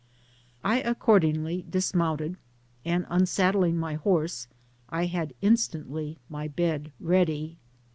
. I accordingly dismounted, and, unsaddling my horse, I had in stantly my bed ready.